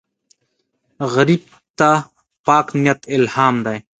غریب ته پاک نیت الهام دی